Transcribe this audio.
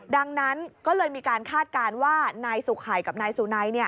ดังนั้นก็เลยมีการคาดการณ์ว่านายสุขัยกับนายสุนัย